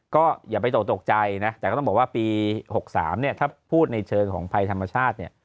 ก็อย่าไปตกตกใจนะแต่ก็ต้องบอกว่าปี๖๓เนี่ยถ้าพูดในเชิงของภัยธรรมชาติเนี่ย